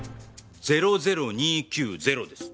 ００２９０です。